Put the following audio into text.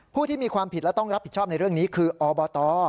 ผู้ที่มีความผิดและต้องรับผิดชอบในเรื่องนี้คืออบต